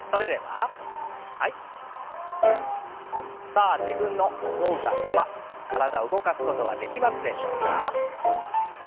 さあ自分の思うがまま体動かすことはできますでしょうか。